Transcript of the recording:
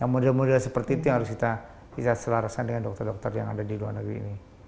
model model seperti itu yang harus kita selarasakan dengan dokter dokter yang ada di luar negeri ini